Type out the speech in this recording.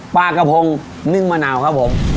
ปลากระพงนึ่งมะนาวครับผม